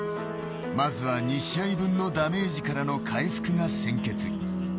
まずは２試合分のダメージからの回復が先決。